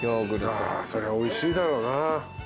そりゃおいしいだろうな。